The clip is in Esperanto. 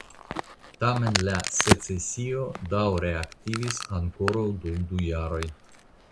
Tamen la Secesio daŭre aktivis ankoraŭ dum du jaroj.